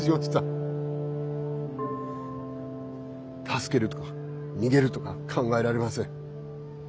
助けるとか逃げるとか考えられません。